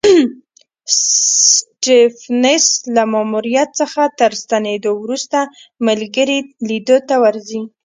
سټېفنس له ماموریت څخه تر ستنېدو وروسته ملګري لیدو ته ورځي.